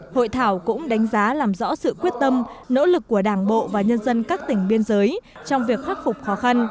hội thảo cũng đánh giá làm rõ sự quyết tâm nỗ lực của đảng bộ và nhân dân các tỉnh biên giới trong việc khắc phục khó khăn